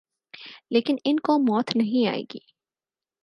لیکن ان کوموت نہیں آئے گی